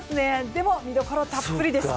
でも見どころたっぷりです。